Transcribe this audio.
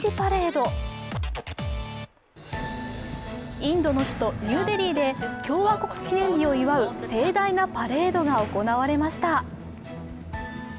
インドの首都ニューデリーで共和国記念日を祝う盛大なパレードが行われました。